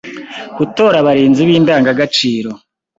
Gutora abarinzi b’Indangagaciro;